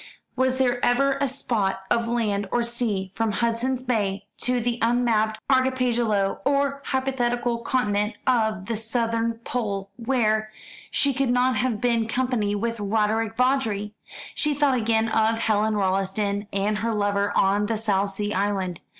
Was there ever a spot of land or sea, from Hudson's Bay to the unmapped archipelago or hypothetical continent of the Southern Pole, where she could not have been happy with Roderick Vawdrey? She thought again of Helen Rolleston and her lover on the South Sea island.